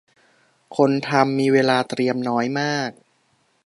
คนทำมีเวลาเตรียมน้อยมาก